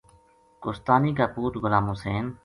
کوہستانی کا پوت غلام حسین